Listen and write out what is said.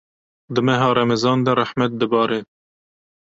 di meha Remezanê de rehmet dibare.